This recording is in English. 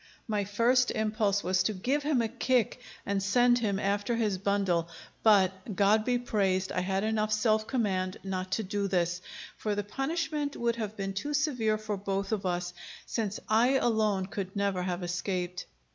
My first impulse was to give him a kick and send him after his bundle; but God be praised, I had enough self command not to do this, for the punishment would have been too severe for both of us, since I alone could never have escaped.